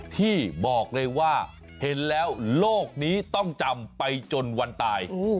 ที่บอกเลยว่าเห็นแล้วโลกนี้ต้องจำไปจนวันตาย